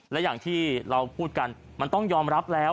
และอย่างที่เราพูดกันมันต้องยอมรับแล้ว